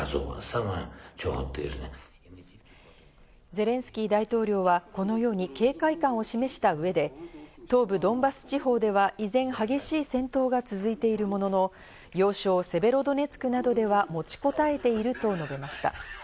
ゼレンスキー大統領は、このように警戒感を示した上で、東部ドンバス地方では依然激しい戦闘が続いているものの、要衝セベロドネツクなどでは持ちこたえていると述べました。